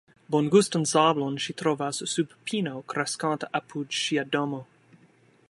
Bongustan sablon ŝi trovas sub pino kreskanta apud ŝia domo.